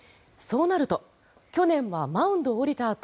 そうなると去年はマウンドを降りた